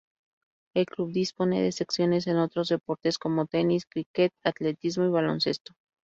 El club dispone de secciones en otros deportes como tenis, cricket, atletismo y baloncesto.